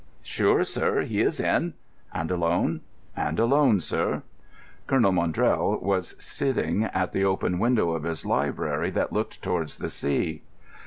"Sure, sir; he is in." "And alone?" "And alone, sir." Colonel Maundrell was sitting at the open window of his library that looked towards the sea.